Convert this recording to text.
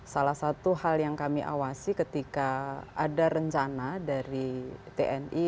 salah satu hal yang kami awasi ketika ada rencana dari tni